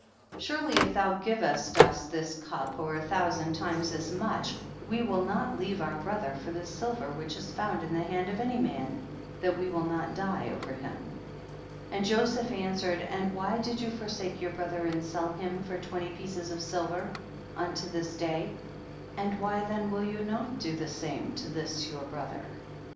8urely if thou givest us thy cup, or a thousand times as much, we will not leave our brother for the silver which is found in the hand of any man, that we will not die over him. 19. And Joseph answered, and why did you forsake your brother and sell* him for twenty pieces of silver unto this day, and why then will you not do the same to this your brother